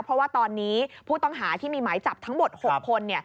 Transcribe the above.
เพราะว่าตอนนี้ผู้ต้องหาที่มีหมายจับทั้งหมด๖คน